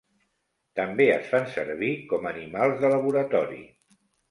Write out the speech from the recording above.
També es fan servir com animals de laboratori.